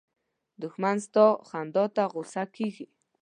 دښمن ستا خندا ته غوسه کېږي